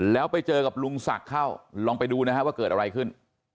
แล้วไปเจอกับลุงศักดิ์เข้าลองไปดูนะฮะว่าเกิดอะไรขึ้น